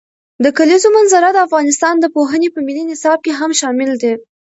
د کلیزو منظره د افغانستان د پوهنې په ملي نصاب کې هم شامل دي.